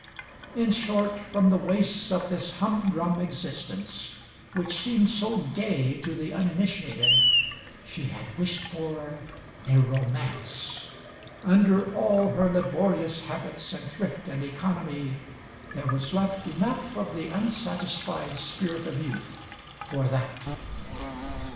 In short, from the wastes of this hum drum existence which seems so gay to the uninitiated, she had wished for a romance. Under all her laborious habits and thrift and economy there was left enough of the unsatisfied spirit of youth for that.